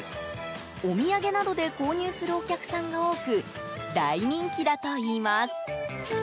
お土産などで購入するお客さんが多く大人気だといいます。